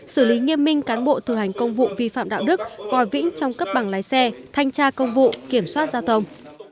xử lý nghiêm minh cán bộ thực hành công vụ vi phạm đạo đức coi vĩnh trong cấp bằng lái xe thanh tra công vụ kiểm soát giao thông